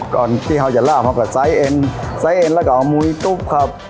ก่อนที่เขาจะล่ามากับไซส์เอ็นไซส์เอ็นแล้วก็เอามุยตุ๊บครับ